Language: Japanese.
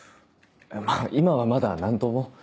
今はまだ何とも。